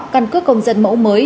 căn cứ công dân mẫu mới